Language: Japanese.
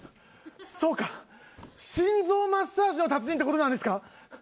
そうか心臓マッサージの達人って事なんですか？